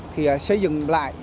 thì xây dựng lại